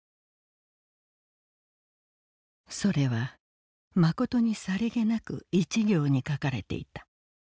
「それはまことにさりげなく一行に書かれていた。